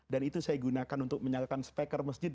itu saya gunakan untuk menyalakan speaker masjid